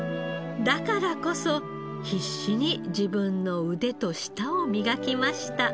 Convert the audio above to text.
だからこそ必死に自分の腕と舌を磨きました。